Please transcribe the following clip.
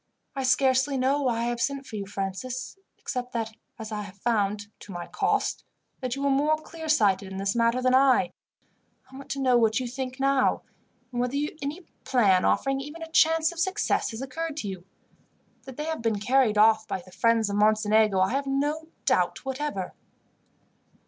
I scarcely know why I have sent for you, Francis, except that as I have found, to my cost, that you were more clear sighted in this matter than I, I want to know what you think now, and whether any plan offering even a chance of success has occurred to you. That they have been carried off by the friends of Mocenigo I have no doubt whatever."